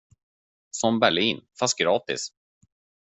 Som Berlin, fast gratis!